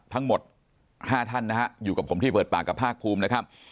ทั้งหมด๕ท่านนะฮะอยู่กับผมที่เปิดปากกับภาคภูมินะครับ